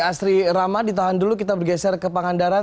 asri rama ditahan dulu kita bergeser ke pangandaran